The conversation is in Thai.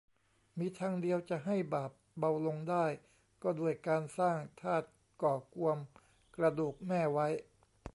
มีทางเดียวจะให้บาปเบาลงได้ก็ด้วยการสร้างธาตุก่อกวมกระดูกแม่ไว้